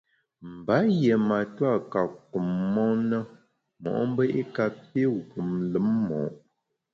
Mba yié matua ka kum mon na mo’mbe i kapi wum lùm mo’.